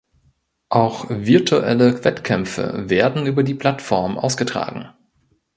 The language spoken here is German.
Auch virtuelle Wettkämpfe werden über die Plattform ausgetragen.